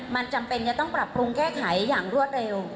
มันจำเป็นจะต้องปรับปรุงแก้ไขอย่างรวดเร็ว